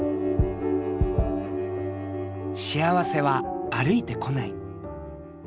幸せは歩いてこない。